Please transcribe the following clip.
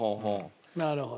なるほど。